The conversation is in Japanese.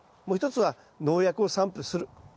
もう一つは農薬を散布する。